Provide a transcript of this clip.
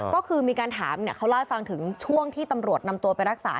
ก็คือมีการถามเขาเล่าให้ฟังถึงช่วงที่ตำรวจนำตัวไปรักษา